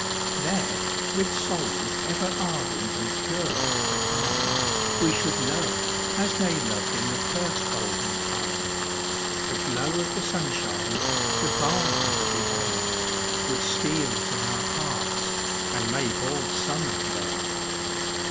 There, with souls ever ardent and pure as the clime, We should love, as they loved in the first golden time; The glow of the sunshine, the balm of the air, Would steal to our hearts, and make all summer there.